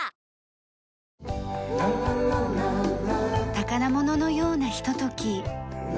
宝物のようなひととき。